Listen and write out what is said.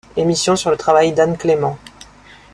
Emissions sur le travail d'Anne Clément.